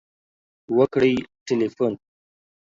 .وکړئ تلیفون